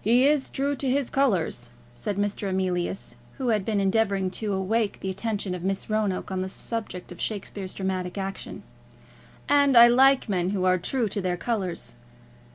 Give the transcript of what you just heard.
"He is true to his colours," said Mr. Emilius, who had been endeavouring to awake the attention of Miss Roanoke on the subject of Shakespeare's dramatic action, "and I like men who are true to their colours."